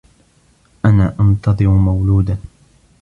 أنا أنتظر مولودا.